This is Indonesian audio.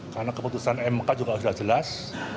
karena keputusan mk juga sudah jelas